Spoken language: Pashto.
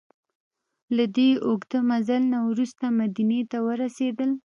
له دې اوږده مزل نه وروسته مدینې ته ورسېدل.